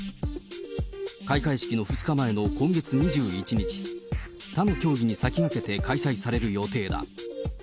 開会式の２日前の今月２１日、他の競技に先駆けて開催される予定だ。